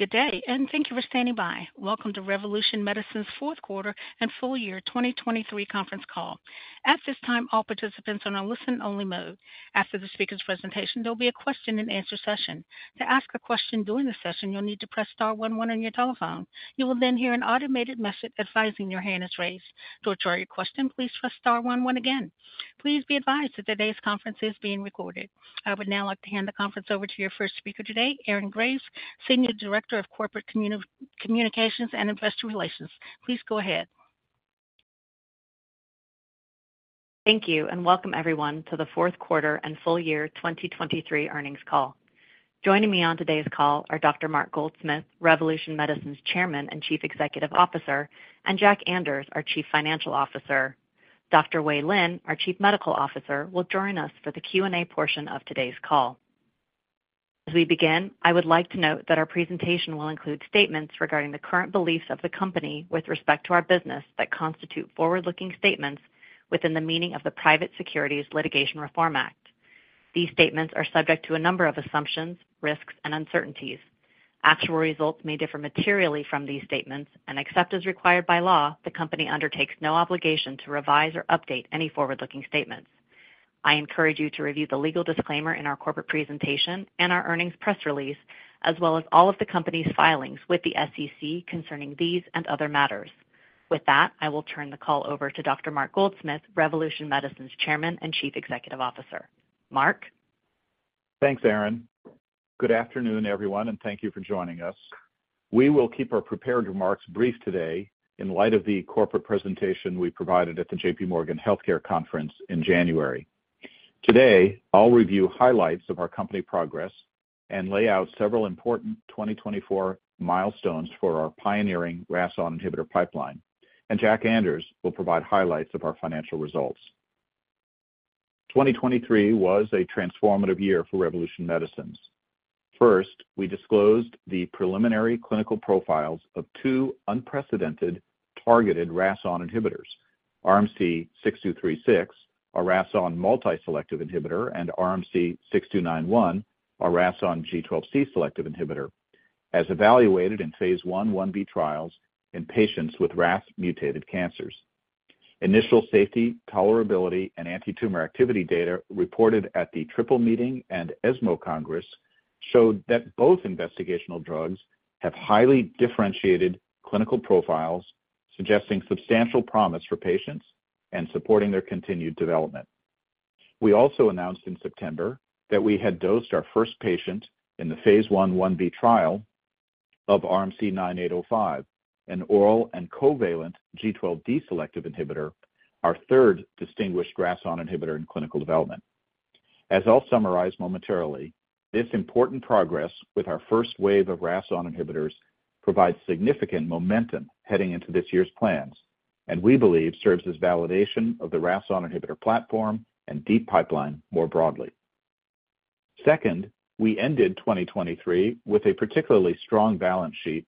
Good day, and thank you for standing by. Welcome to Revolution Medicines' Q4 and full year 2023 conference call. At this time, all participants are on a listen-only mode. After the speaker's presentation, there'll be a Q&A session. To ask a question during the session, you'll need to press star one one on your telephone. You will then hear an automated message advising your hand is raised. To withdraw your question, please press star one one again. Please be advised that today's conference is being recorded. I would now like to hand the conference over to your first speaker today, Erin Graves, Senior Director of Corporate Communications and Investor Relations. Please go ahead. Thank you, and welcome everyone to the Q4 and full year 2023 earnings call. Joining me on today's call are Mark Goldsmith, Revolution Medicines' Chairman and Chief Executive Officer, and Jack Anders, our Chief Financial Officer. Dr. Wei Lin, our Chief Medical Officer, will join us for the Q&A portion of today's call. As we begin, I would like to note that our presentation will include statements regarding the current beliefs of the company with respect to our business, that constitute forward-looking statements within the meaning of the Private Securities Litigation Reform Act. These statements are subject to a number of assumptions, risks, and uncertainties. Actual results may differ materially from these statements, and except as required by law, the company undertakes no obligation to revise or update any forward-looking statements. I encourage you to review the legal disclaimer in our corporate presentation and our earnings press release, as well as all of the company's filings with the SEC concerning these and other matters. With that, I will turn the call over to Mark Goldsmith, Revolution Medicines' Chairman and Chief Executive Officer. Mark Goldsmith? Thanks, Erin Graves. Good afternoon, everyone, and thank you for joining us. We will keep our prepared remarks brief today in light of the corporate presentation we provided at the J.P. Morgan Healthcare Conference in January. Today, I'll review highlights of our company progress and lay out several important 2024 milestones for our pioneering RAS(ON) inhibitor pipeline, and Jack Anders will provide highlights of our financial results. 2023 was a transformative year for Revolution Medicines. First, we disclosed the preliminary clinical profiles of two unprecedented targeted RAS(ON) inhibitors, RMC-6236, a RAS(ON) multi-selective inhibitor, and RMC-6291, a RAS(ON) G12C selective inhibitor, as evaluated in phase I/I-B trials in patients with RAS-mutated cancers. Initial safety, tolerability, and antitumor activity data reported at the Triple Meeting and ESMO Congress showed that both investigational drugs have highly differentiated clinical profiles, suggesting substantial promise for patients and supporting their continued development. We also announced in September that we had dosed our first patient in the phase I/I-B trial of RMC-9805, an oral and covalent G12D selective inhibitor, our third distinguished RAS(ON) inhibitor in clinical development. As I'll summarize momentarily, this important progress with our first wave of RAS(ON) inhibitors provides significant momentum heading into this year's plans, and we believe serves as validation of the RAS(ON) inhibitor platform and deep pipeline more broadly. Second, we ended 2023 with a particularly strong balance sheet,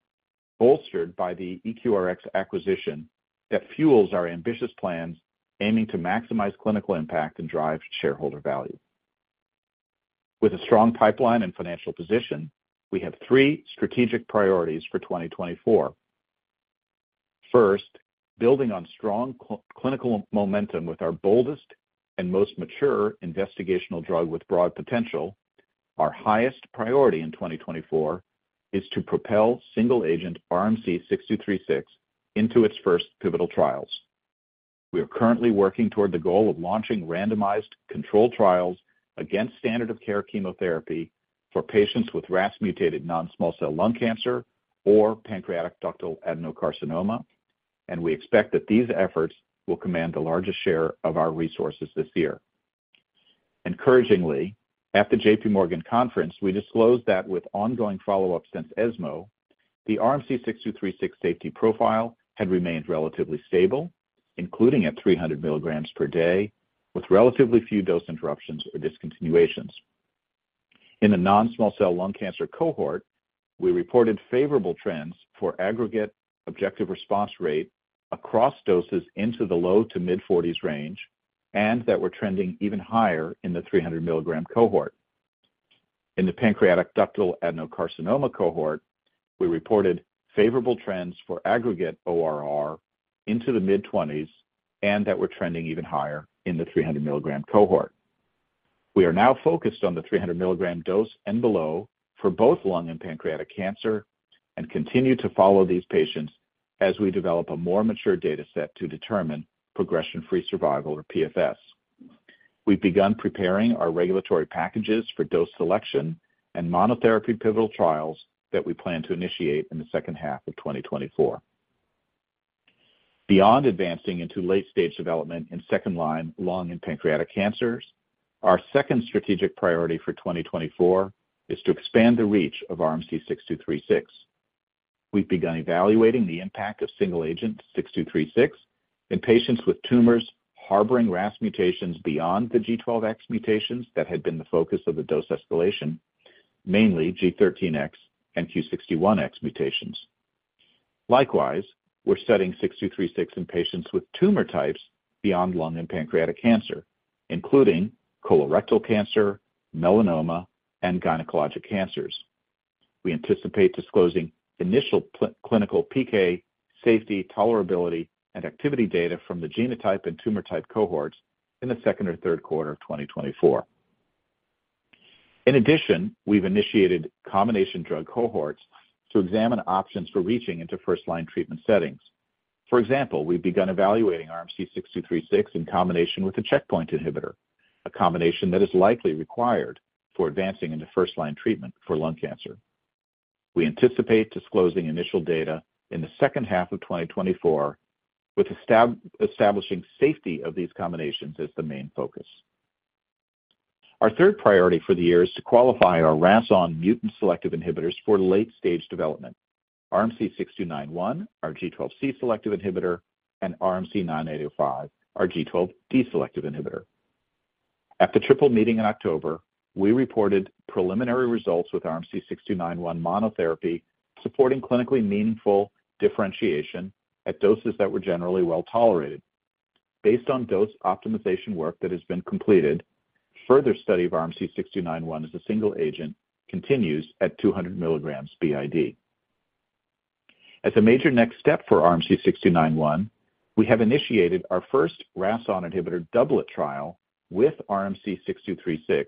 bolstered by the EQRx acquisition that fuels our ambitious plans, aiming to maximize clinical impact and drive shareholder value. With a strong pipeline and financial position, we have three strategic priorities for 2024. First, building on strong clinical momentum with our boldest and most mature investigational drug with broad potential, our highest priority in 2024 is to propel single-agent RMC-6236 into its first pivotal trials. We are currently working toward the goal of launching randomized controlled trials against standard of care chemotherapy for patients with RAS-mutated non-small cell lung cancer or pancreatic ductal adenocarcinoma, and we expect that these efforts will command the largest share of our resources this year. Encouragingly, at the J.P. Morgan conference, we disclosed that with ongoing follow-up since ESMO, the RMC-6236 safety profile had remained relatively stable, including at 300 mg per day, with relatively few dose interruptions or discontinuations. In the non-small cell lung cancer cohort, we reported favorable trends for aggregate objective response rate across doses into the low- to mid-40s range and that were trending even higher in the 300 mg cohort. In the pancreatic ductal adenocarcinoma cohort, we reported favorable trends for aggregate ORR into the mid-20s and that were trending even higher in the 300 mg cohort. We are now focused on the 300 mg dose and below for both lung and pancreatic cancer and continue to follow these patients as we develop a more mature data set to determine progression-free survival, or PFS. We've begun preparing our regulatory packages for dose selection and monotherapy pivotal trials that we plan to initiate in the second-half of 2024. Beyond advancing into late-stage development in second-line lung and pancreatic cancers, our second strategic priority for 2024 is to expand the reach of RMC-6236. We've begun evaluating the impact of single agent RMC-6236 in patients with tumors harboring RAS mutations beyond the G12X mutations that had been the focus of the dose escalation, mainly G13X and Q61X mutations.... Likewise, we're studying RMC-6236 in patients with tumor types beyond lung and pancreatic cancer, including colorectal cancer, melanoma, and gynecologic cancers. We anticipate disclosing initial clinical PK, safety, tolerability, and activity data from the genotype and tumor type cohorts in the second or Q3 of 2024. In addition, we've initiated combination drug cohorts to examine options for reaching into first-line treatment settings. For example, we've begun evaluating RMC-6236 in combination with a checkpoint inhibitor, a combination that is likely required for advancing into first-line treatment for lung cancer. We anticipate disclosing initial data in the second-half of 2024, with establishing safety of these combinations as the main focus. Our third priority for the year is to qualify our RAS(ON) mutant-selective inhibitors for late-stage development, RMC-6291, our G12C selective inhibitor, and RMC-9805, our G12D selective inhibitor. At the Triple Meeting in October, we reported preliminary results with RMC-6291 monotherapy, supporting clinically meaningful differentiation at doses that were generally well tolerated. Based on dose optimization work that has been completed, further study of RMC-6291 as a single agent continues at 200 mg BID. As a major next step for RMC-6291, we have initiated our first RAS(ON) inhibitor doublet trial with RMC-6236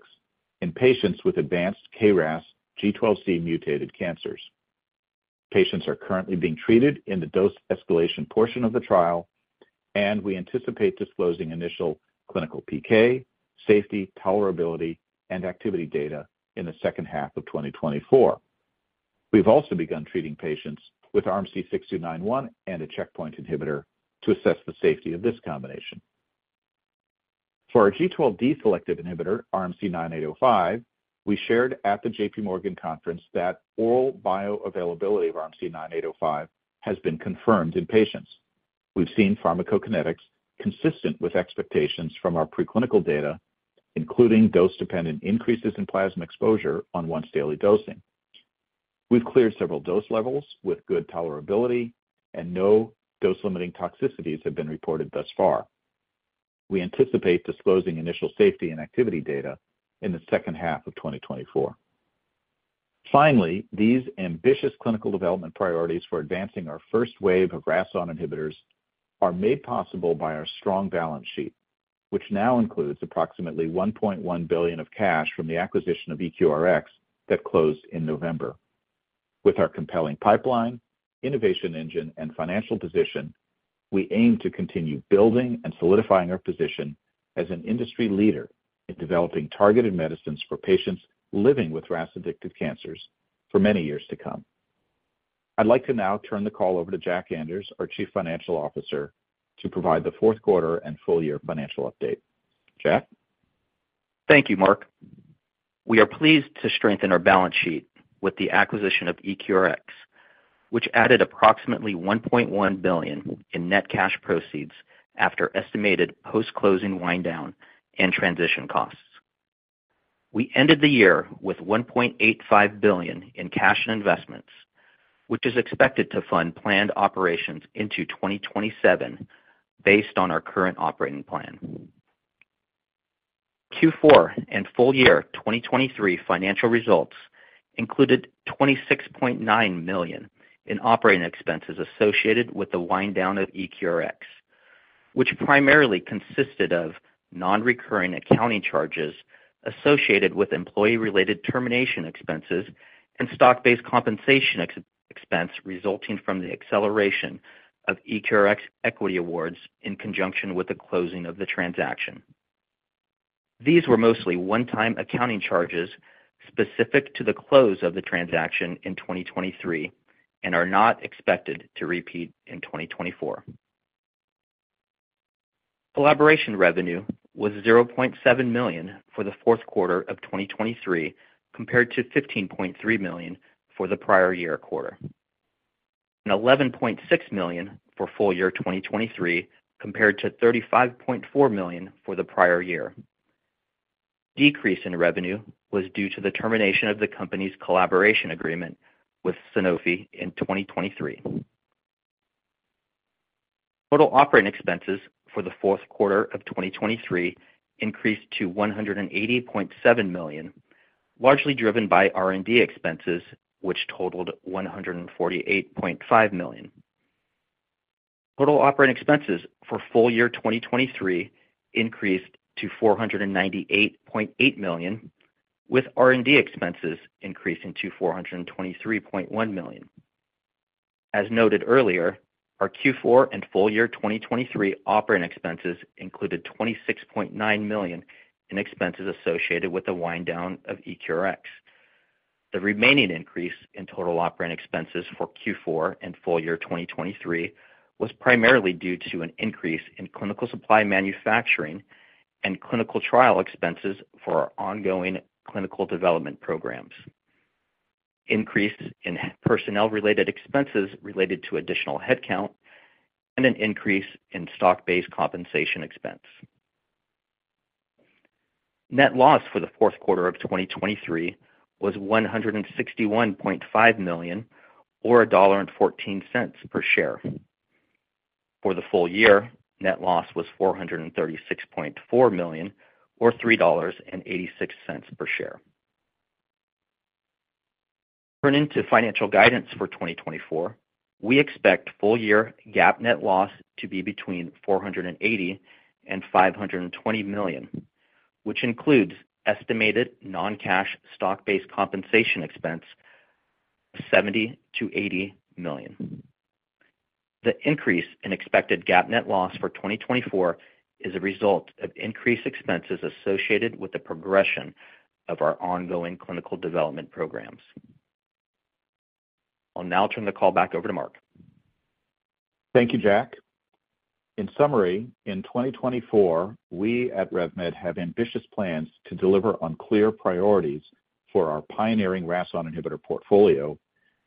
in patients with advanced KRAS G12C mutated cancers. Patients are currently being treated in the dose escalation portion of the trial, and we anticipate disclosing initial clinical PK, safety, tolerability, and activity data in the second-half of 2024. We've also begun treating patients with RMC-6291 and a checkpoint inhibitor to assess the safety of this combination. For our G12D selective inhibitor, RMC-9805, we shared at the JP Morgan conference that oral bioavailability of RMC-9805 has been confirmed in patients. We've seen pharmacokinetics consistent with expectations from our preclinical data, including dose-dependent increases in plasma exposure on once-daily dosing. We've cleared several dose levels with good tolerability, and no dose-limiting toxicities have been reported thus far. We anticipate disclosing initial safety and activity data in the second-half of 2024. Finally, these ambitious clinical development priorities for advancing our first wave of RAS(ON) inhibitors are made possible by our strong balance sheet, which now includes approximately $1.1 billion of cash from the acquisition of EQRx that closed in November. With our compelling pipeline, innovation engine, and financial position, we aim to continue building and solidifying our position as an industry leader in developing targeted medicines for patients living with RAS-addictive cancers for many years to come. I'd like to now turn the call over to Jack Anders, our Chief Financial Officer, to provide the Q4 and full year financial update. Jack Anders? Thank you, Mark Goldsmith. We are pleased to strengthen our balance sheet with the acquisition of EQRx, which added approximately $1.1 billion in net cash proceeds after estimated post-closing wind down and transition costs. We ended the year with $1.85 billion in cash and investments, which is expected to fund planned operations into 2027, based on our current operating plan. Q4 and full year 2023 financial results included $26.9 million in operating expenses associated with the wind down of EQRx, which primarily consisted of non-recurring accounting charges associated with employee-related termination expenses and stock-based compensation expense, resulting from the acceleration of EQRx equity awards in conjunction with the closing of the transaction. These were mostly one-time accounting charges specific to the close of the transaction in 2023 and are not expected to repeat in 2024. Collaboration revenue was $0.7 million for the Q4 of 2023, compared to $15.3 million for the prior-year-quarter, and $11.6 million for full-year 2023, compared to $35.4 million for the prior-year. Decrease in revenue was due to the termination of the company's collaboration agreement with Sanofi in 2023. Total operating expenses for the Q4 of 2023 increased to $180.7 million, largely driven by R&D expenses, which totaled $148.5 million. Total operating expenses for full year 2023 increased to $498.8 million, with R&D expenses increasing to $423.1 million. As noted earlier, our Q4 and full year 2023 operating expenses included $26.9 million in expenses associated with the wind down of EQRx. The remaining increase in total operating expenses for Q4 and full year 2023 was primarily due to an increase in clinical supply manufacturing and clinical trial expenses for our ongoing clinical development programs, increases in personnel-related expenses related to additional headcount, and an increase in stock-based compensation expense....Net loss for the Q4 of 2023 was $161.5 million, or $1.14 per share. For the full year, net loss was $436.4 million, or $3.86 per share. Turning to financial guidance for 2024, we expect full year GAAP net loss to be between $480 million and $520 million, which includes estimated non-cash stock-based compensation expense, $70 million-$80 million. The increase in expected GAAP net loss for 2024 is a result of increased expenses associated with the progression of our ongoing clinical development programs. I'll now turn the call back over to Mark Goldsmith. Thank you, Jack Anders. In summary, in 2024, we at RevMed have ambitious plans to deliver on clear priorities for our pioneering RAS inhibitor portfolio,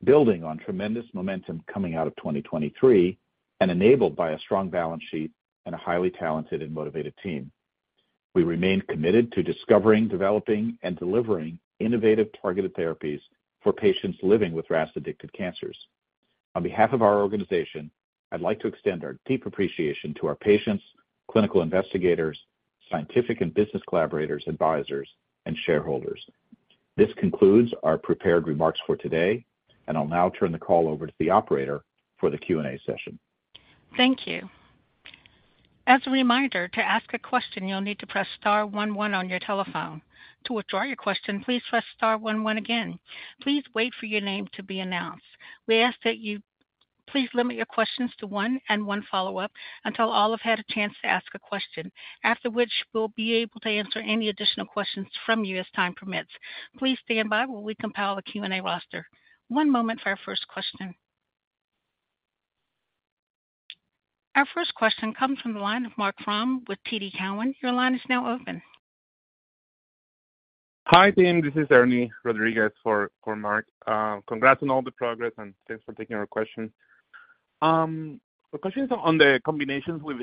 building on tremendous momentum coming out of 2023 and enabled by a strong balance sheet and a highly talented and motivated team. We remain committed to discovering, developing, and delivering innovative targeted therapies for patients living with RAS-addicted cancers. On behalf of our organization, I'd like to extend our deep appreciation to our patients, clinical investigators, scientific and business collaborators, advisors, and shareholders. This concludes our prepared remarks for today, and I'll now turn the call over to the operator for the Q&A session. Thank you. As a reminder, to ask a question, you'll need to press star one, one on your telephone. To withdraw your question, please press star one, one again. Please wait for your name to be announced. We ask that you please limit your questions to one and one follow-up until all have had a chance to ask a question, after which we'll be able to answer any additional questions from you as time permits. Please stand by while we compile the Q&A roster. One moment for our first question. Our first question comes from the line of Marc Frahm with TD Cowen. Your line is now open. Hi, team, this is Ernie Rodriguez for Mark Goldsmith. Congrats on all the progress and thanks for taking our question. The question is on the combinations with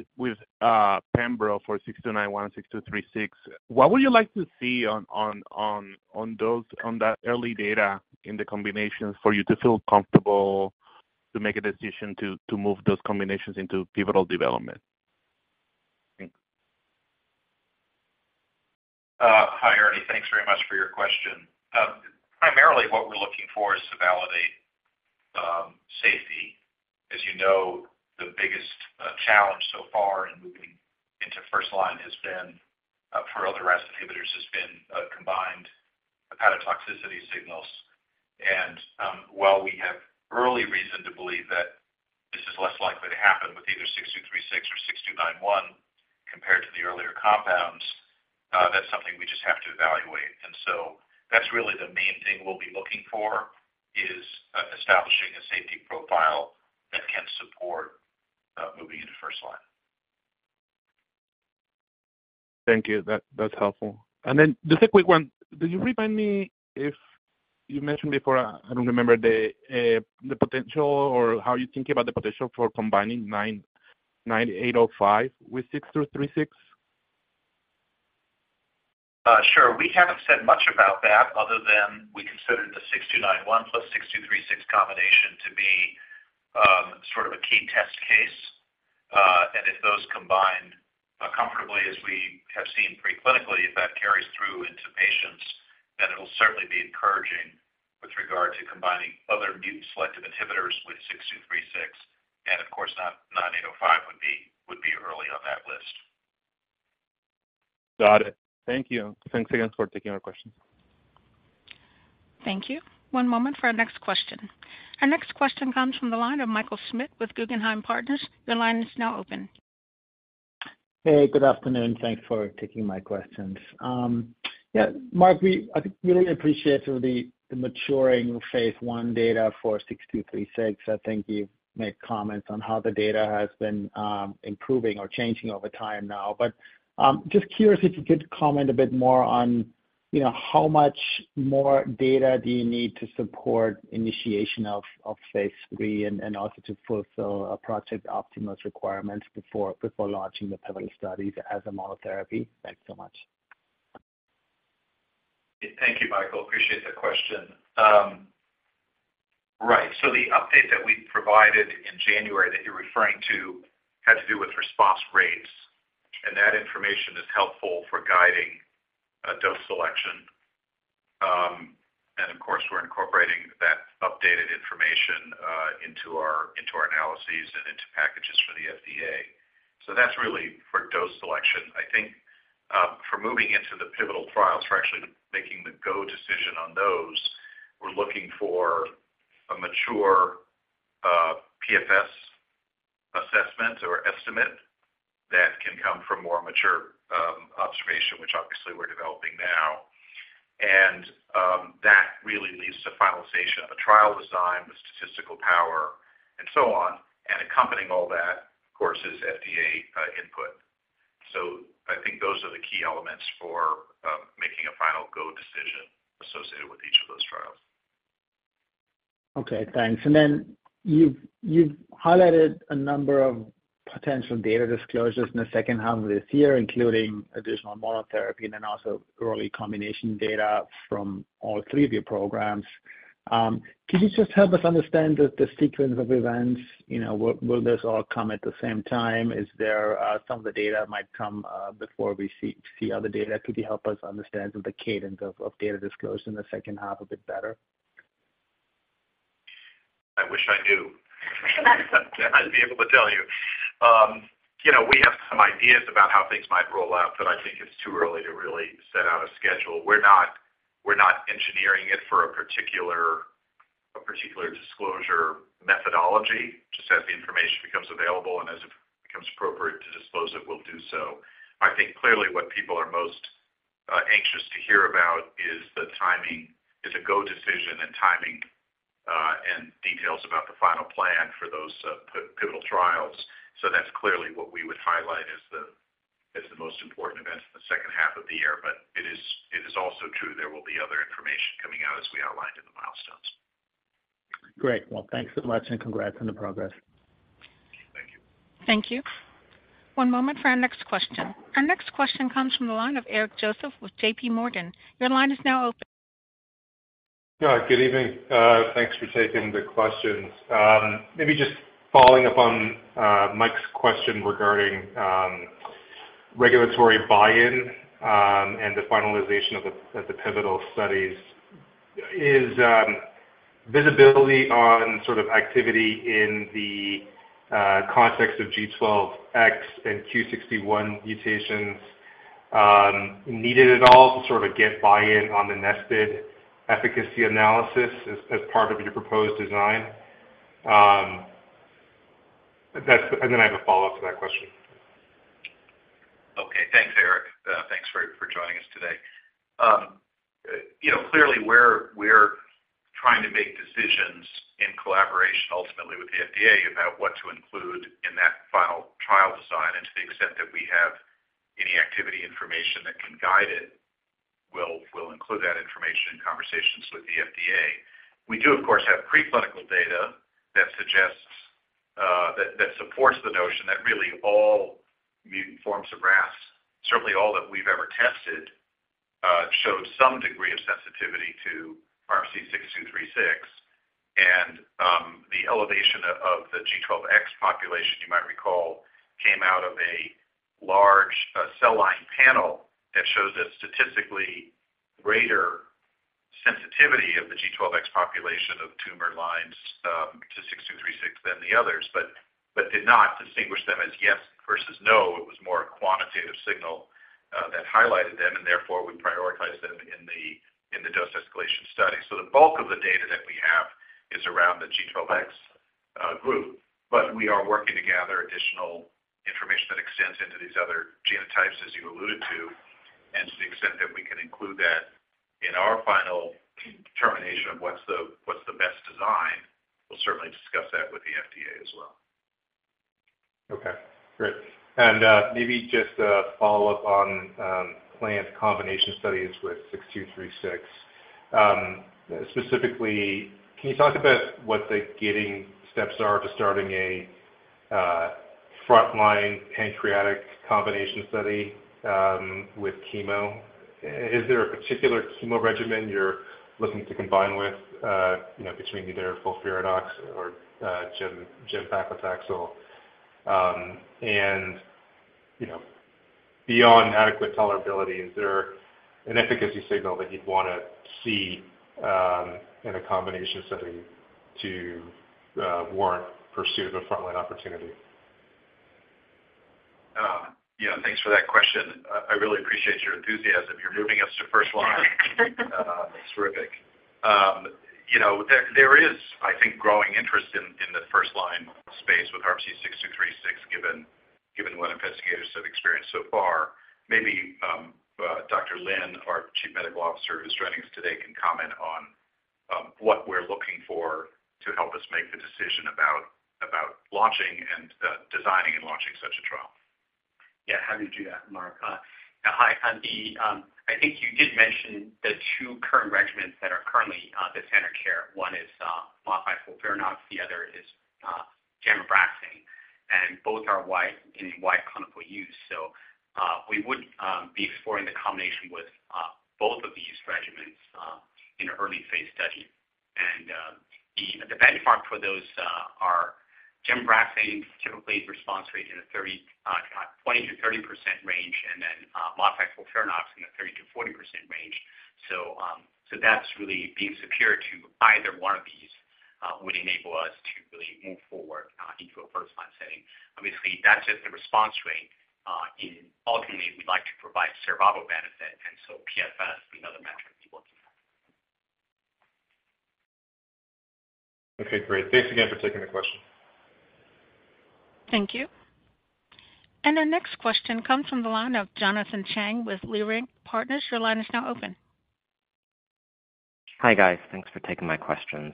pembro for RMC-6291, RMC-6236. What would you like to see on that early data in the combinations for you to feel comfortable to make a decision to move those combinations into pivotal development? Thanks. Hi, Ernie Rodriguez. Thanks very much for your question. Primarily, what we're looking for is to validate safety. As you know, the biggest challenge so far in moving into first line has been, for other RAS inhibitors, has been, combined hepatotoxicity signals. And, while we have early reason to believe that this is less likely to happen with either RMC-6236 or RMC-6291 compared to the earlier compounds, that's something we just have to evaluate. And so that's really the main thing we'll be looking for, is, establishing a safety profile that can support moving into first line. Thank you. That's helpful. And then just a quick one: Did you remind me if you mentioned before, I don't remember, the potential or how you're thinking about the potential for combining RMC-9805 with RMC-6236? Sure. We haven't said much about that other than we consider the RMC-6291 + RMC-6236 combination to be sort of a key test case. And if those combine comfortably, as we have seen preclinically, if that carries through into patients, then it'll certainly be encouraging with regard to combining other mutant selective inhibitors with RMC-6236, and of course, RMC-9805 would be, would be early on that list. Got it. Thank you. Thanks again for taking our question. Thank you. One moment for our next question. Our next question comes from the line of Michael Schmidt with Guggenheim Partners. Your line is now open. Hey, good afternoon, thanks for taking my questions. Yeah, Mark Goldsmith, we, I think, really appreciate some of the, the maturing phase 1 data for RMC-6236. I think you've made comments on how the data has been improving or changing over time now. But just curious if you could comment a bit more on, you know, how much more data do you need to support initiation of phase III and also to fulfill Project Optimus requirements before launching the pivotal studies as a monotherapy? Thanks so much. Thank you, Michael Schmidt. Appreciate the question. Right, so the update that we provided in January that you're referring to had to do with response rates, and that information is helpful for guiding, dose selection. And of course, we're incorporating that updated information, into our, into our analyses and into packages for the FDA. So that's really for dose selection. I think, for moving into the pivotal trials, for actually making the go decision on those, we're looking for a mature, PFS assessment or estimate that can come from more mature, observation, which obviously we're developing now. And, that really leads to finalization of a trial design, the statistical power and so on, and accompanying all that, of course, is FDA, input. So I think those are the key elements for, making a final go decision. Okay, thanks. And then you've highlighted a number of potential data disclosures in the second-half of this year, including additional monotherapy and then also early combination data from all three of your programs. Can you just help us understand the sequence of events? You know, will this all come at the same time? Is there some of the data might come before we see other data? Could you help us understand the cadence of data disclosed in the second-half a bit better? I wish I knew. I'd be able to tell you. You know, we have some ideas about how things might roll out, but I think it's too early to really set out a schedule. We're not engineering it for a particular disclosure methodology. Just as the information becomes available and as it becomes appropriate to disclose it, we'll do so. I think clearly what people are most anxious to hear about is the timing, is a go decision and timing, and details about the final plan for those pivotal trials. So that's clearly what we would highlight as the most important events in the second-half of the year. But it is also true there will be other information coming out as we outlined in the milestones. Great. Well, thanks so much, and congrats on the progress. Thank you. Thank you. One moment for our next question. Our next question comes from the line of Eric Joseph with JP Morgan. Your line is now open. Good evening. Thanks for taking the questions. Maybe just following up on Michael Schmidt question regarding regulatory buy-in and the finalization of the pivotal studies. Is visibility on sort of activity in the context of G12X and Q61X mutations needed at all to sort of get buy-in on the nested efficacy analysis as part of your proposed design? That's and then I have a follow-up to that question. Okay. Eric Joseph. Thanks for joining us today. You know, clearly, we're trying to make decisions in collaboration ultimately with the FDA about what to include in that final trial design, and to the extent that we have any activity information that can guide it, we'll include that information in conversations with the FDA. We do, of course, have preclinical data that suggests that supports the notion that really all mutant forms of RAS, certainly all that we've ever tested, showed some degree of sensitivity to RMC-6236. The elevation of the G12X population, you might recall, came out of a large cell line panel that shows a statistically greater sensitivity of the G12X population of tumor lines to RMC-6236 than the others, but did not distinguish them as yes versus no. It was more a quantitative signal that highlighted them, and therefore, we prioritized them in the dose escalation study. So the bulk of the data that we have is around the G12X group. But we are working to gather additional information that extends into these other genotypes, as you alluded to. And to the extent that we can include that in our final determination of what's the best design, we'll certainly discuss that with the FDA as well. Okay, great. And maybe just a follow-up on planned combination studies with RMC-6236. Specifically, can you talk about what the gating steps are to starting a frontline pancreatic combination study with chemo? Is there a particular chemo regimen you're looking to combine with, you know, between either FOLFIRINOX or gemcitabine Taxol? And, you know, beyond adequate tolerability, is there an efficacy signal that you'd want to see in a combination study to warrant pursuit of a frontline opportunity? Yeah, thanks for that question. I really appreciate your enthusiasm. You're moving us to first line. It's terrific. You know, there, there is, I think, growing interest in, in the first line space with RMC-6236, given, given what investigators have experienced so far. Maybe, Dr. Wei Lin, our Chief Medical Officer, who's joining us today, can comment on, what we're looking for to help us make the decision about launching and, designing and launching such a trial. Yeah, happy to do that, Mark Goldsmith. Hi. I think you did mention the two current regimens that are currently the standard care. One is modified FOLFIRINOX, the other is gemcitabine, and both are in wide clinical use. So, we would be exploring the combination with both of these regimens in an early phase study. And, the benchmark for those are gemcitabine typically response rate in a 20%-30% range, and then modified FOLFIRINOX in a 30%-40% range. So, that's really being superior to either one of these would enable us to really move forward into a first-line setting. Obviously, that's just the response rate, and ultimately, we'd like to provide survival benefit, and so PFS is another metric to be looking at. Okay, great. Thanks again for taking the question. Thank you. Our next question comes from the line of Jonathan Chang with Leerink Partners. Your line is now open. Hi, guys. Thanks for taking my questions.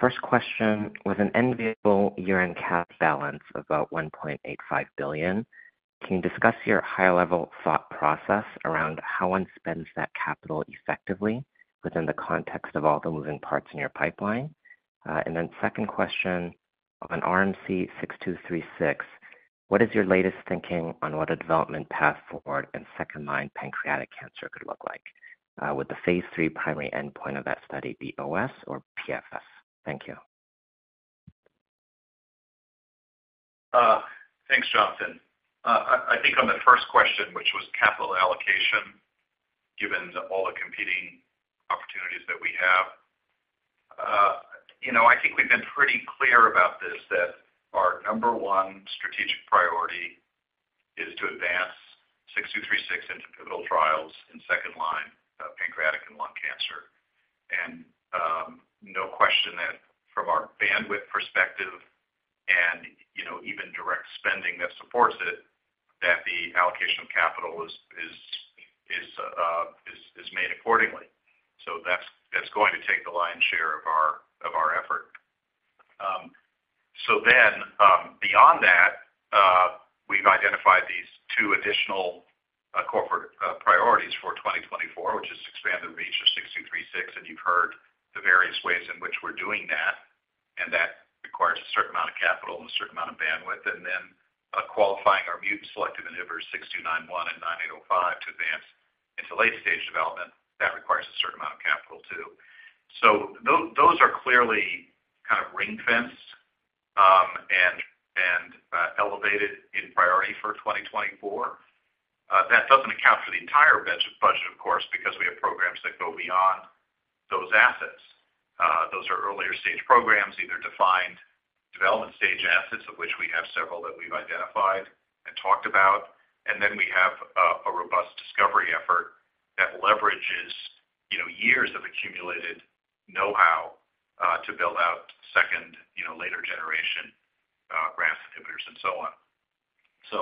First question: With an enviable year-end cash balance of about $1.85 billion. Can you discuss your high-level thought process around how one spends that capital effectively within the context of all the moving parts in your pipeline? And then second question, on RMC-6236, what is your latest thinking on what a development path forward in second-line pancreatic cancer could look like? Would the phase III primary endpoint of that study be OS or PFS? Thank you. Thanks, Jonathan Chang. I think on the first question, which was capital allocation, given all the competing opportunities that we have, you know, I think we've been pretty clear about this, that our number one strategic priority is to advance RMC-6236 into pivotal trials in second-line pancreatic and lung cancer. No question that from our bandwidth perspective and, you know, even direct spending that supports it, that the allocation of capital is made accordingly. So that's going to take the lion's share of our effort. So then, beyond that, we've identified these two additional corporate priorities for 2024, which is expand the reach of RMC-6236, and you've heard the various ways in which we're doing that, and that requires a certain amount of capital and a certain amount of bandwidth. Then, qualifying our mutant-selective inhibitors, RMC-6291 and RMC-9805, to advance into late-stage development, that requires a certain amount of capital, too. So those are clearly kind of ring-fenced, and elevated in priority for 2024. That doesn't account for the entire budget, of course, because we have programs that go beyond those assets. Those are earlier stage programs, either defined development stage assets, of which we have several that we've identified and talked about, and then we have a robust discovery effort that leverages, you know, years of accumulated know-how to build out second, you know, later generation RAS inhibitors and so on. So,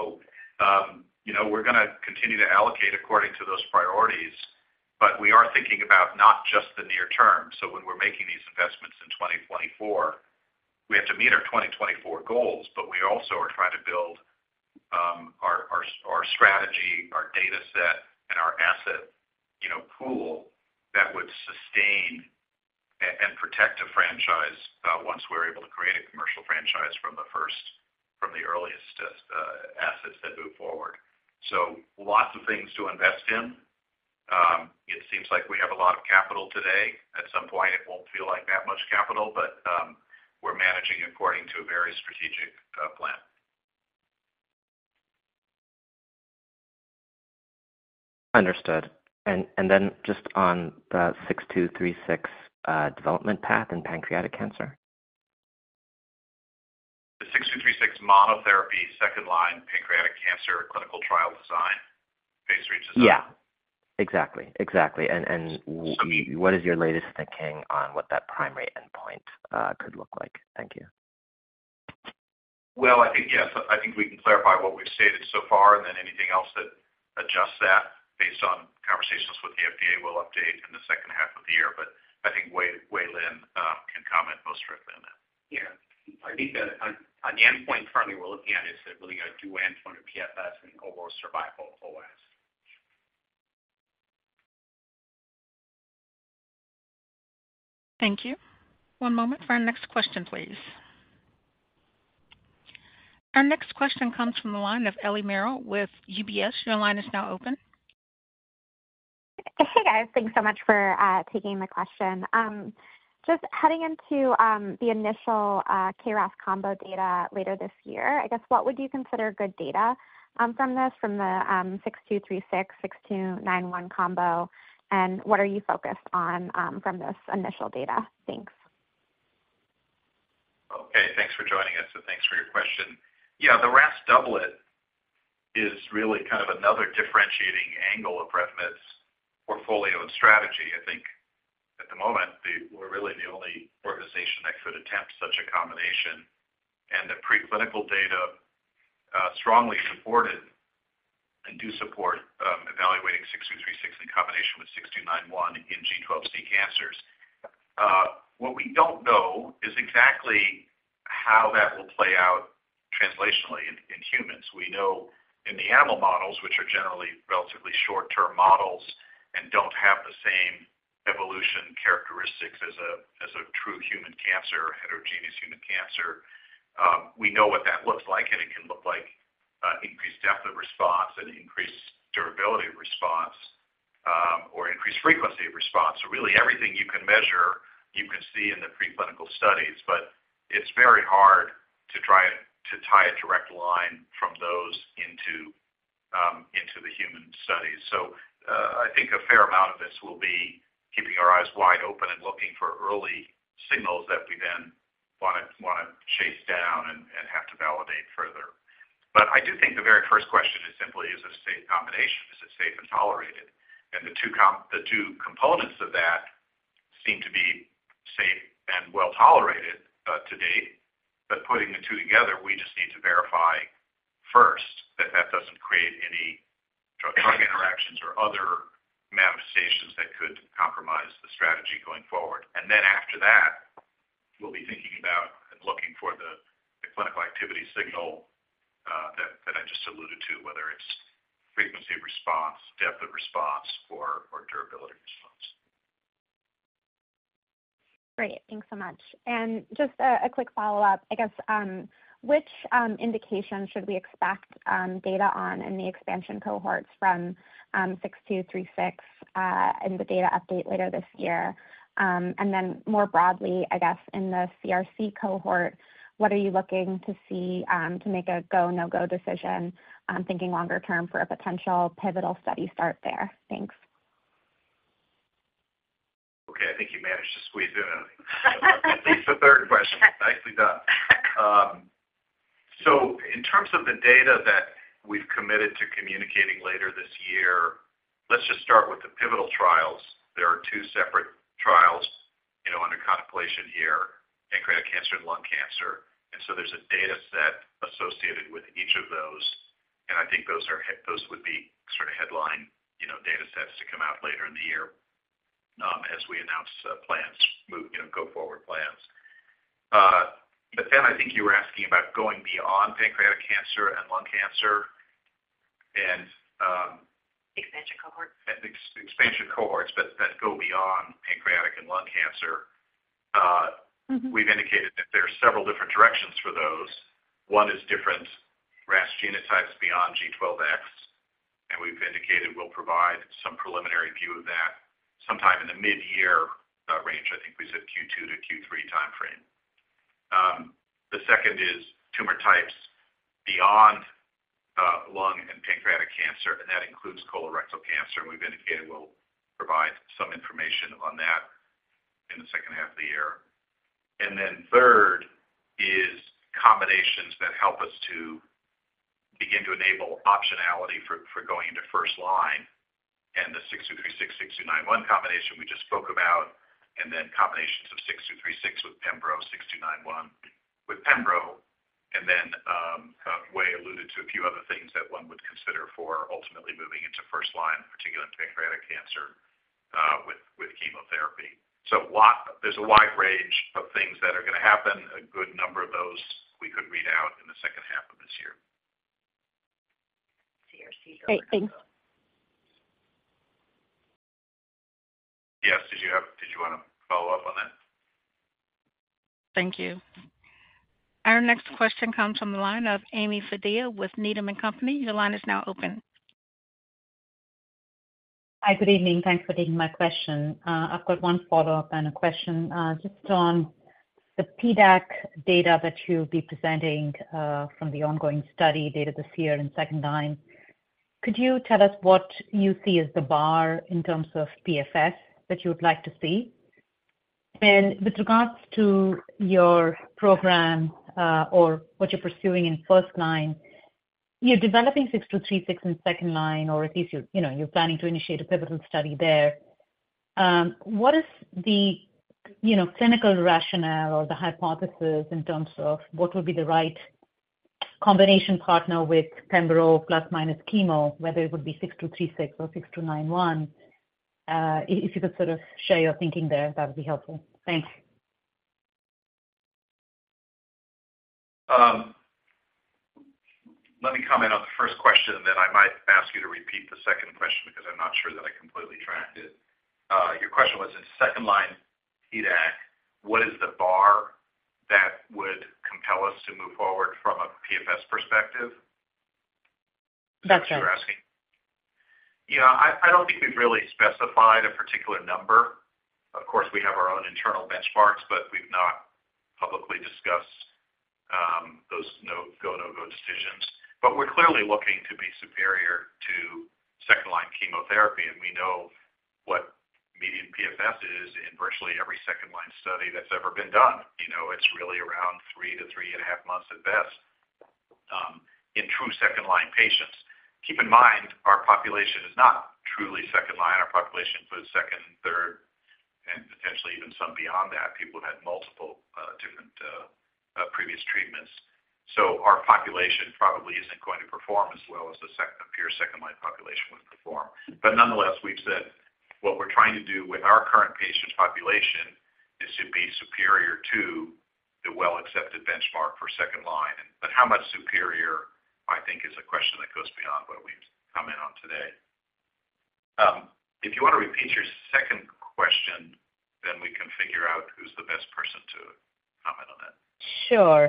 you know, we're gonna continue to allocate according to those priorities, but we are thinking about not just the near term. So when we're making these investments in 2024, we have to meet our 2024 goals, but we also are trying to build our strategy, our data set, and our asset, you know, pool that would sustain and protect a franchise once we're able to create a commercial franchise from the earliest assets that move forward. So lots of things to invest in. It seems like we have a lot of capital today. At some point, it won't feel like that much capital, but we're managing according to a very strategic plan. Understood. And then just on the RMC-6236 development path in pancreatic cancer. The RMC-6236 monotherapy, second-line pancreatic cancer clinical trial design, phase III design? Yeah. Exactly, exactly. And So we- What is your latest thinking on what that primary endpoint could look like? Thank you. Well, I think, yes, I think we can clarify what we've stated so far, and then anything else that adjusts that based on conversations with the FDA will update in the second-half of the year, but I think Wei Lin can comment more strictly on that. Yeah. I think that on the endpoint currently we're looking at is really a dual endpoint of PFS and overall survival, OS. Thank you. One moment for our next question, please. Our next question comes from the line of Eliana Merle with UBS. Your line is now open. Hey, guys. Thanks so much for taking the question. Just heading into the initial KRAS combo data later this year, I guess, what would you consider good data from this, from the RMC-6236, RMC-6291 combo, and what are you focused on from this initial data? Thanks. Okay, thanks for joining us, and thanks for your question. Yeah, the RAS doublet is really kind of another differentiating angle of Revolution Medicines' portfolio and strategy. I think at the moment, we're really the only organization that could attempt such a combination, and the preclinical data strongly supported and do support evaluating RMC-6236 in combination with RMC-6291 in G12C cancers. What we don't know is exactly how that will play out translationally in humans. We know in the animal models, which are generally relatively short-term models and don't have the same evolution characteristics as a true human cancer, heterogeneous human cancer, we know what that looks like, and it can look like increased depth of response and increased durability of response, or increased frequency of response. So really, everything you can measure, you can see in the preclinical studies, but it's very hard to try to tie a direct line from those into the human studies. So, I think a fair amount of this will be keeping our eyes wide open and looking for early signals that we then wanna chase down and have to validate further. But I do think the very first question is simply, is this a safe combination? Is it safe and tolerated? And the two components of that seem to be safe and well tolerated to date, but putting the two together, we just need to verify first that that doesn't create any drug interactions or other manifestations that could compromise the strategy going forward. And then after that-... We'll be thinking about and looking for the clinical activity signal, that I just alluded to, whether it's frequency of response, depth of response, or durability response. Great, thanks so much. And just a quick follow-up, I guess, which indication should we expect data on in the expansion cohorts from RMC-6236 in the data update later this year? And then more broadly, I guess, in the CRC cohort, what are you looking to see to make a go, no-go decision thinking longer term for a potential pivotal study start there? Thanks. Okay, I think you managed to squeeze in a third question. Nicely done. So in terms of the data that we've committed to communicating later this year, let's just start with the pivotal trials. There are two separate trials, you know, under contemplation here, pancreatic cancer and lung cancer, and so there's a data set associated with each of those, and I think those would be sort of headline, you know, data sets to come out later in the year, as we announce plans, you know, go forward plans. But then I think you were asking about going beyond pancreatic cancer and lung cancer and, Expansion cohorts. Expansion cohorts, but that go beyond pancreatic and lung cancer. Mm-hmm. We've indicated that there are several different directions for those. One is different RAS genotypes beyond G12X, and we've indicated we'll provide some preliminary view of that sometime in the mid-year range. I think we said Q2-Q3 timeframe. The second is tumor types beyond lung and pancreatic cancer, and that includes colorectal cancer. We've indicated we'll provide some information on that in the second-half of the year. And then third is combinations that help us to begin to enable optionality for, for going into first line, and the RMC-6236, RMC-6291 combination we just spoke about, and then combinations of RMC-6236 with pembro, RMC-6291 with pembro. And then, Wei Lin alluded to a few other things that one would consider for ultimately moving into first line, particularly in pancreatic cancer, with chemotherapy. So there's a wide range of things that are gonna happen. A good number of those we could read out in the second-half of this year. CRC. Great, thanks. Yes. Did you wanna follow up on that? Thank you. Our next question comes from the line of Ami Fadia with Needham and Company. Your line is now open. Hi, good evening. Thanks for taking my question. I've got one follow-up and a question, just on the PDAC data that you'll be presenting, from the ongoing study later this year in second line. Could you tell us what you see as the bar in terms of PFS that you would like to see? And with regards to your program, or what you're pursuing in first line, you're developing RMC-6236 in second line, or at least you, you know, you're planning to initiate a pivotal study there. What is the, you know, clinical rationale or the hypothesis in terms of what would be the right combination partner with pembro + minus chemo, whether it would be RMC-6236 or RMC-6291? If you could sort of share your thinking there, that would be helpful. Thanks. Let me comment on the first question, then I might ask you to repeat the second question because I'm not sure that I completely tracked it. Your question was in second line PDAC, what is the bar that would compel us to move forward from a PFS perspective? That's right. Is what you're asking. Yeah, I don't think we've really specified a particular number. Of course, we have our own internal benchmarks, but we've not publicly discussed those no-go decisions. But we're clearly looking to be superior to second-line chemotherapy, and we know what median PFS is in virtually every second-line study that's ever been done. You know, it's really around three months and three and 1/2 months at best in true second-line patients. Keep in mind, our population is not truly second line. Our population for the second and third and potentially even some beyond that, people who had multiple different previous treatments. So our population probably isn't going to perform as well as the second, a pure second-line population would perform. But nonetheless, we've said what we're trying to do with our current patient population is to be superior to the well-accepted benchmark for second line, but how much superior, I think, is a question that goes beyond what we've commented on today. If you want to repeat your second question, then we can figure out who's the best person to comment on that. Sure.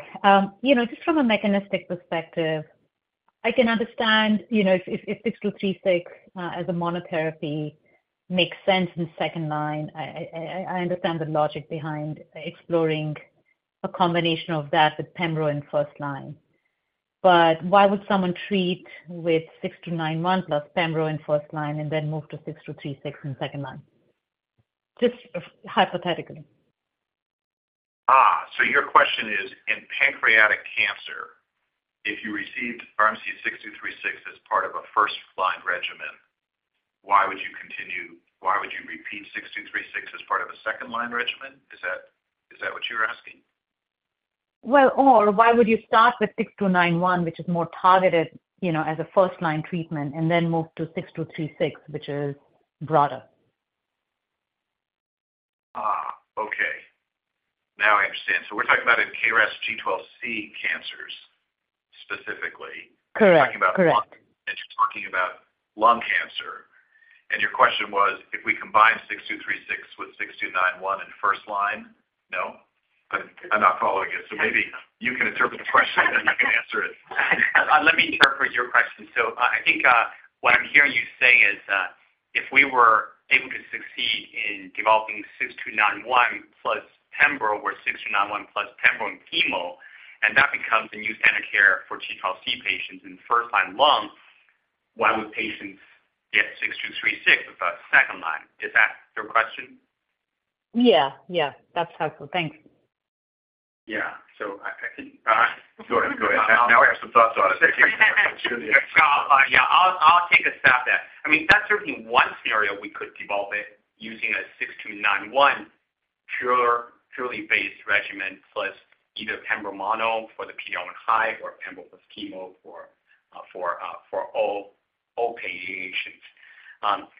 You know, just from a mechanistic perspective, I can understand, you know, if RMC-6236 as a monotherapy makes sense in second line, I understand the logic behind exploring a combination of that with pembro in first line. But why would someone treat with RMC-6291 + pembro in first line and then move to RMC-6236 in second line? Just hypothetically. So your question is, in pancreatic cancer, if you received RMC-6236 as part of a first-line regimen, why would you repeat RMC-6236 as part of a second-line regimen? Is that, is that what you're asking? Well, or why would you start with RMC-6291, which is more targeted, you know, as a first-line treatment, and then move to RMC-6236, which is broader? Okay. Now I understand. So we're talking about in KRAS G12C cancers, specifically. Correct. You're talking about lung, and you're talking about lung cancer. Your question was, if we combine RMC-6236 with RMC-6291 in first line? No? I'm not following you. Maybe you can interpret the question, and you can answer it. Let me interpret your question. So I think, what I'm hearing you say is, if we were able to succeed in developing RMC-6291 + pembro, or RMC-6291 + pembro and chemo, and that becomes the new standard care for G12C patients in first-line lung, why would patients get RMC-6236 as a second line? Is that your question? Yeah. that's helpful. Thanks. Yeah. So I think, go ahead. Go ahead. Now I have some thoughts on it. Yeah, I'll take a stab at it. I mean, that's certainly one scenario we could develop it using a RMC-6291 purely based regimen, + either pembro mono for the PD-L1 high, or pembro + chemo for all patients.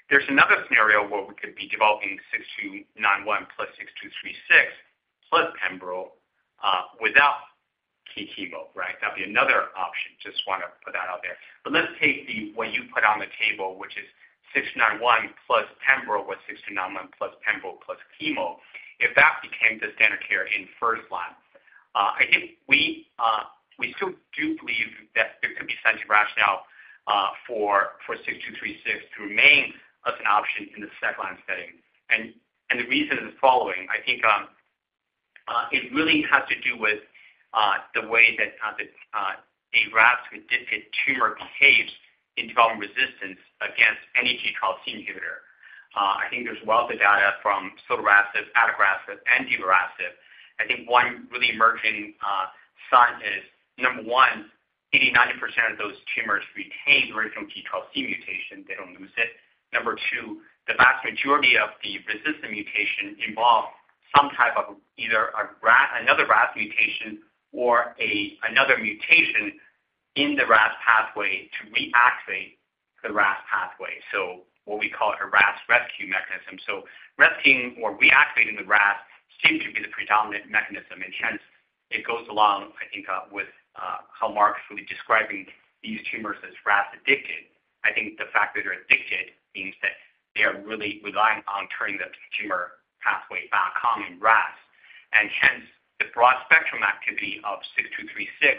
There's another scenario where we could be developing RMC-6291 + RMC-6236, + pembro, without key chemo, right? That'd be another option. Just want to put that out there. But let's take the what you put on the table, which is RMC-6291 + pembro, with RMC-6291, + pembro, + chemo. If that became the standard care in first line, I think we, we still do believe that there could be sense of rationale for RMC-6236 to remain as an option in the second line setting. The reason is the following: I think it really has to do with the way that the KRAS G12C tumor behaves in developing resistance against any G12C inhibitor. [I think there is sotorasib, adagrasib, divarasib]. I think one really emerging sign is, number one, 80%-90% of those tumors retain the original G12C mutation. They don't lose it. Number two, the vast majority of the resistant mutations involve some type of either a RAS, another RAS mutation, or another mutation in the RAS pathway to reactivate the RAS pathway. So what we call a RAS rescue mechanism. So rescuing or reactivating the RAS seems to be the predominant mechanism, and hence, it goes along, I think, with how Mark Goldsmith was describing these tumors as RAS addicted. I think the fact that they're addicted means that they are really relying on turning the tumor pathway back on in RAS. And hence, the broad spectrum activity of RMC-6236,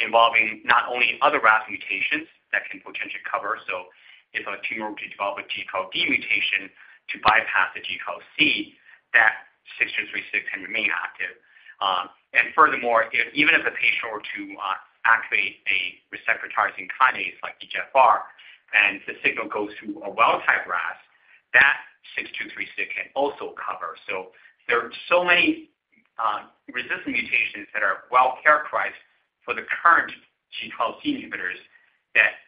involving not only other RAS mutations that can potentially cover, so if a tumor were to develop a G12D mutation to bypass the G12C, that RMC-6236 can remain active. And furthermore, if even if the patient were to activate a receptor tyrosine kinase like EGFR, and the signal goes through a wild-type RAS, that RMC-6236 can also cover. So there are so many resistant mutations that are well characterized for the current G12C inhibitors that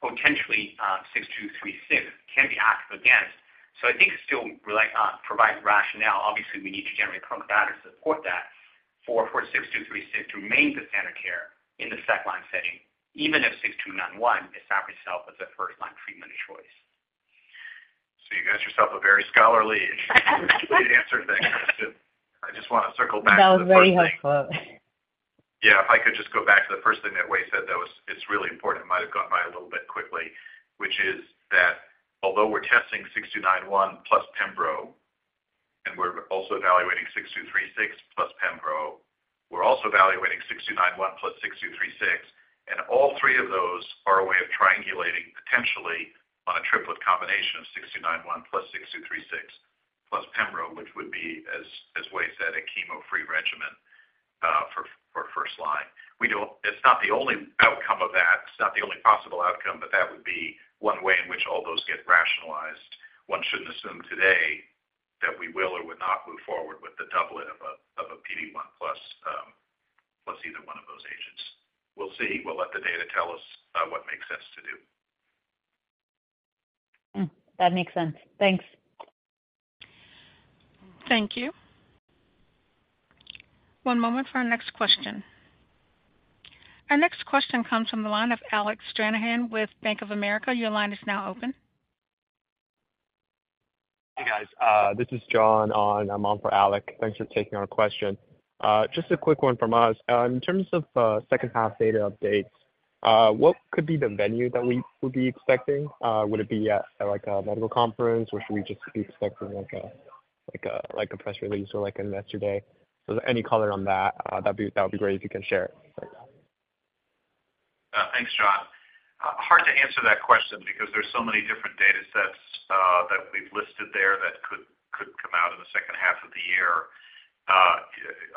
potentially RMC-6236 can be active against. So I think it still provides rationale. Obviously, we need to generate clinical data to support that for RMC-6236 to remain the standard of care in the second-line setting, even if RMC-6291 establishes itself as a first-line treatment of choice. You got yourself a very scholarly, complete answer, thank you. I just want to circle back to the first thing. That was very helpful. Yeah, if I could just go back to the first thing that Wei Lin said, that was—it's really important. It might have gone by a little bit quickly, which is that although we're testing RMC-6291 + pembro, and we're also evaluating RMC-6236 + pembro, we're also evaluating RMC-6291 + RMC-6236, and all three of those are a way of triangulating, potentially, on a triplet combination of RMC-6291 + RMC-6236 + pembro, which would be, as, as Wei Lin said, a chemo-free regimen for first line. We don't—It's not the only outcome of that. It's not the only possible outcome, but that would be one way in which all those get rationalized. One shouldn't assume today that we will or would not move forward with the doublet of PD-1 + either one of those agents. We'll see. We'll let the data tell us what makes sense to do. Hmm. That makes sense. Thanks. Thank you. One moment for our next question. Our next question comes from the line of Alec Stranahan with Bank of America. Your line is now open. Hey, guys, this is John Chang. I'm on for Alec Stranahan. Thanks for taking our question. Just a quick one from us. In terms of second-half data updates, what could be the venue that we would be expecting? Would it be at, like, a medical conference, or should we just be expecting, like a press release or like an investor day? So any color on that, that'd be great if you can share it. Thanks, John Chang. Hard to answer that question because there's so many different data sets that we've listed there that could come out in the second-half of the year.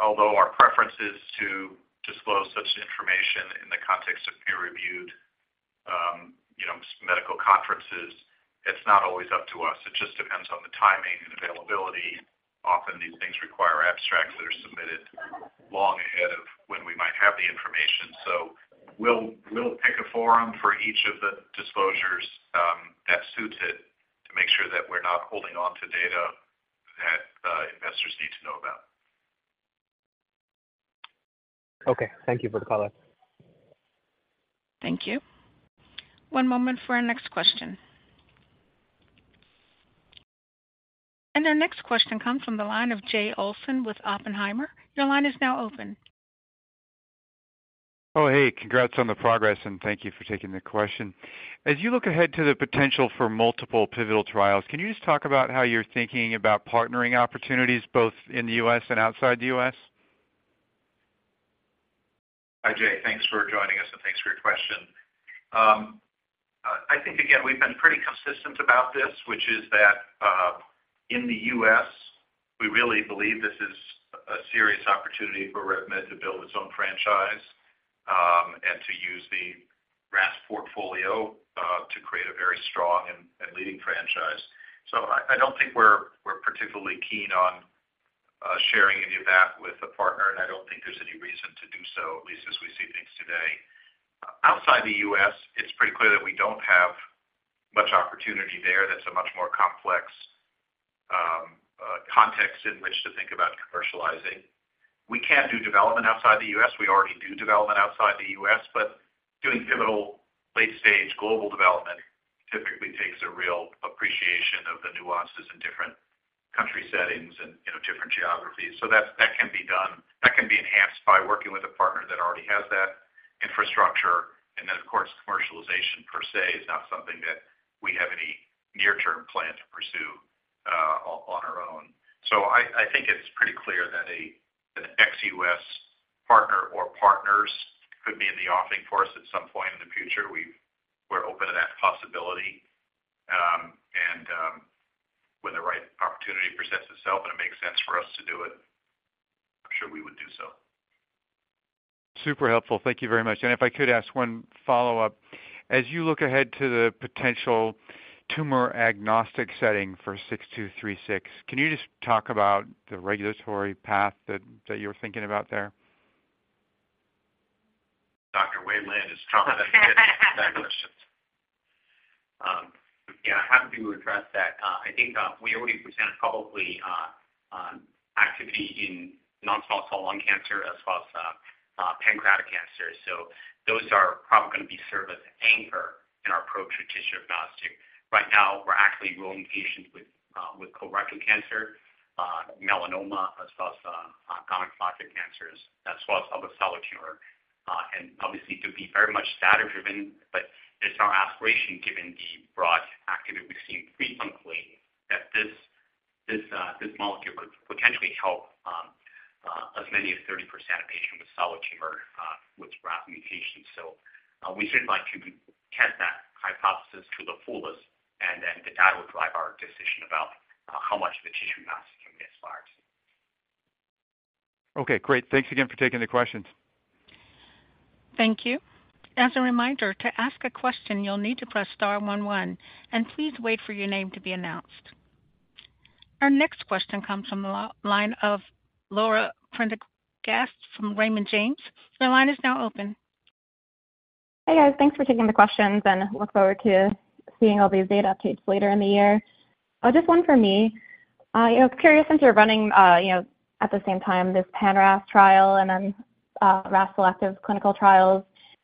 Although our preference is to disclose such information in the context of peer-reviewed, you know, medical conferences, it's not always up to us. It just depends on the timing and availability. Often, these things require abstracts that are submitted long ahead of.... We'll pick a forum for each of the disclosures that suits it to make sure that we're not holding on to data that investors need to know about. Okay. Thank you for the call. Thank you. One moment for our next question. Our next question comes from the line of Jay Olsen with Oppenheimer. Your line is now open. Oh, hey, congrats on the progress, and thank you for taking the question. As you look ahead to the potential for multiple pivotal trials, can you just talk about how you're thinking about partnering opportunities both in the U.S. and outside the U.S.? Hi, Jay Olson. Thanks for joining us, and thanks for your question. I think, again, we've been pretty consistent about this, which is that, in the U.S., we really believe this is a serious opportunity for RevMed to build its own franchise, and to use the RAS portfolio, to create a very strong and, and leading franchise. So I, I don't think we're, we're particularly keen on, sharing any of that with a partner, and I don't think there's any reason to do so, at least as we see things today. Outside the U.S., it's pretty clear that we don't have much opportunity there. That's a much more complex, context in which to think about commercializing. We can do development outside the U.S. We already do development outside the U.S., but doing pivotal late-stage global development typically takes a real appreciation of the nuances in different country settings and, you know, different geographies. So that can be done, that can be enhanced by working with a partner that already has that infrastructure. And then, of course, commercialization per se is not something that we have any near-term plan to pursue on our own. So I think it's pretty clear that an ex-U.S. partner or partners could be in the offing for us at some point in the future. We're open to that possibility. And when the right opportunity presents itself and it makes sense for us to do it, I'm sure we would do so. Super helpful. Thank you very much. If I could ask one follow-up. As you look ahead to the potential tumor agnostic setting for RMC-6236, can you just talk about the regulatory path that you're thinking about there? Dr. Wei Lin is probably best to answer that question. Yeah, happy to address that. I think we already presented publicly activity in non-small cell lung cancer as well as pancreatic cancer. So those are probably gonna serve as anchor in our approach with tissue agnostic. Right now, we're actually enrolling patients with colorectal cancer, melanoma, as well as chronic lymphatic cancers, as well as other solid tumor. And obviously, to be very much data driven, but it's our aspiration, given the broad activity we've seen preclinically, that this molecule could potentially help as many as 30% of patients with solid tumor with RAS mutations. So, we certainly like to test that hypothesis to the fullest, and then that will drive our decision about how much the tissue agnostic we aspire to. Okay, great. Thanks again for taking the questions. Thank you. As a reminder, to ask a question, you'll need to press star one one, and please wait for your name to be announced. Our next question comes from the line of Laura Prendergast from Raymond James. Your line is now open. Hey, guys, thanks for taking the questions, and look forward to seeing all these data updates later in the year. Just one for me. You know, curious, since you're running, you know, at the same time, this pan-RAS trial and then, RAS selective clinical trials,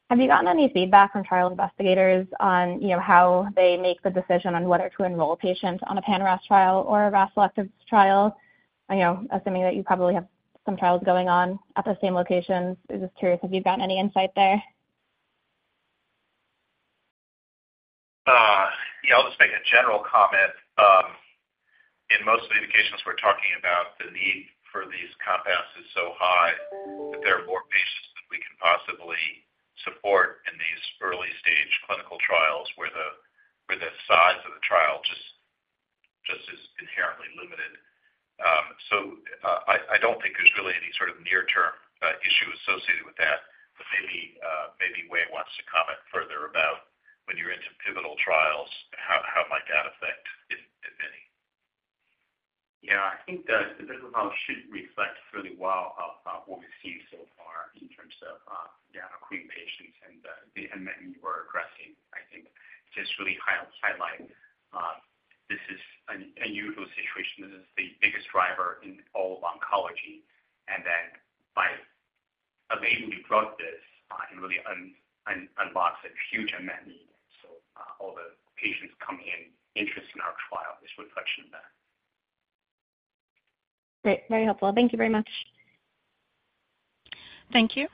have you gotten any feedback from trial investigators on, you know, how they make the decision on whether to enroll patients on a pan-RAS trial or a RAS selective trial? You know, assuming that you probably have some trials going on at the same locations. I'm just curious if you've gotten any insight there. Yeah, I'll just make a general comment. In most of the indications we're talking about, the need for these compounds is so high that there are more patients than we can possibly support in these early stage clinical trials, where the size of the trial just is inherently limited. So, I don't think there's really any sort of near-term issue associated with that, but maybe, maybe Wei Lin wants to comment further about when you're into pivotal trials, how might that affect, if any? Yeah, I think the clinical trial should reflect fairly well what we've seen so far in terms of recruiting patients and the unmet need we're addressing. I think just really highlight this is an unusual situation. This is the biggest driver in all of oncology, and then by enabling the drug this can really unlock a huge unmet need. So, all the patients coming in interest in our trial is reflection of that. Great, very helpful. Thank you very much. Thank you.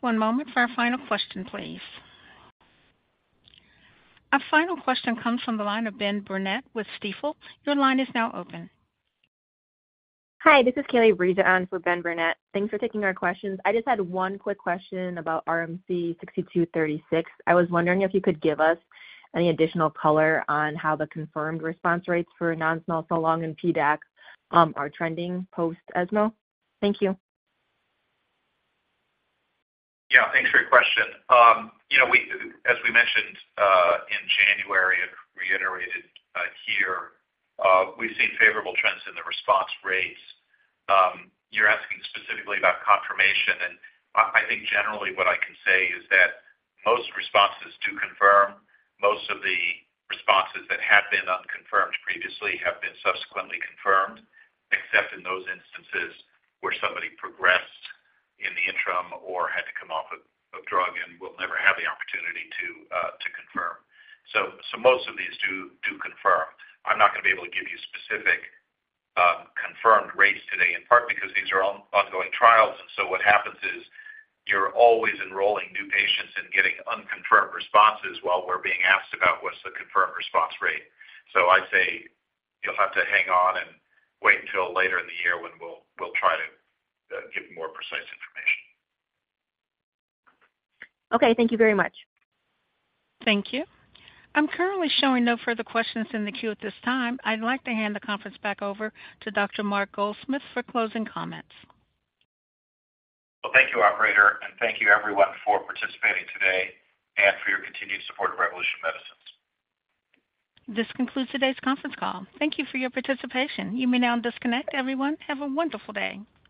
One moment for our final question, please. Our final question comes from the line of Ben Burnett with Stifel. Your line is now open. Hi, this is Kelly Breazeale with Ben Burnett. Thanks for taking our questions. I just had one quick question about RMC-6236. I was wondering if you could give us any additional color on how the confirmed response rates for non-small cell lung and PDAC are trending post ESMO. Thank you. Yeah, thanks for your question. You know, we, as we mentioned, in January and reiterated, here, we've seen favorable trends in the response rates. You're asking specifically about confirmation, and I, I think generally what I can say is that most responses do confirm. Most of the responses that have been unconfirmed previously have been subsequently confirmed, except in those instances where somebody progressed in the interim or had to come off of drug and will never have the opportunity to, to confirm. So, most of these do confirm. I'm not gonna be able to give you specific, confirmed rates today, in part because these are ongoing trials. And so what happens is you're always enrolling new patients and getting unconfirmed responses while we're being asked about what's the confirmed response rate. So I say you'll have to hang on and wait until later in the year when we'll try to give more precise information. Okay, thank you very much. Thank you. I'm currently showing no further questions in the queue at this time. I'd like to hand the conference back over to Mark Goldsmith for closing comments. Well, thank you, operator, and thank you everyone for participating today and for your continued support of Revolution Medicines. This concludes today's conference call. Thank you for your participation. You may now disconnect everyone. Have a wonderful day.